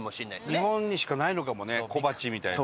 伊達：日本にしかないのかもね小鉢みたいなのは。